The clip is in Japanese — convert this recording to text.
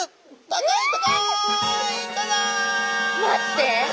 待って！